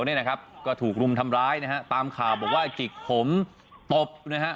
นี่นะครับก็ถูกรุมทำร้ายนะฮะตามข่าวบอกว่าจิกผมตบนะฮะ